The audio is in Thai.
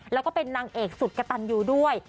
แล้วก็เป็นนางเอกสุดกระตันยูด้วย